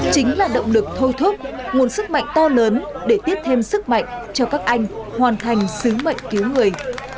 chính là động lực thôi thúc nguồn sức mạnh to lớn để tiếp thêm sức mạnh cho các anh hoàn thành sứ mệnh cứu người